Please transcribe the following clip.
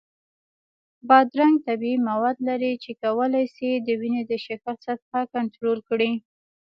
بادرنګ طبیعي مواد لري چې کولی شي د وینې د شکر سطحه کنټرول کړي.